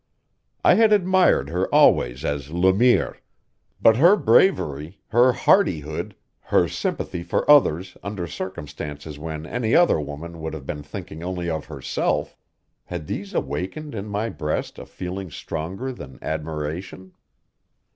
I had admired her always as Le Mire; but her bravery, her hardihood, her sympathy for others under circumstances when any other woman would have been thinking only of herself had these awakened in my breast a feeling stronger than admiration?